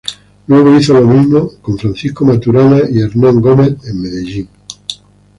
Luego hizo lo mismo con Francisco Maturana y Hernán Gómez en Medellín.